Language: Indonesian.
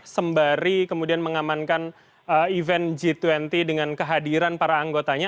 sembari kemudian mengamankan event g dua puluh dengan kehadiran para anggotanya